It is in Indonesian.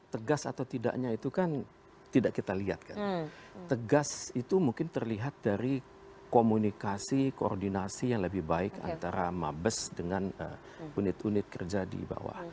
tegas atau tidaknya itu kan tidak kita lihat kan tegas itu mungkin terlihat dari komunikasi koordinasi yang lebih baik antara mabes dengan unit unit kerja di bawah